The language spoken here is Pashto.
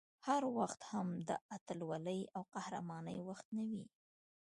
هر وخت هم د اتلولۍ او قهرمانۍ وخت نه وي